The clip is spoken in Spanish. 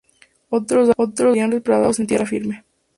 Otros daños serían reparados en tierra firme.